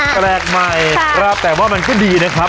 แปลกใหม่แต่ว่ามันก็ดีนะครับ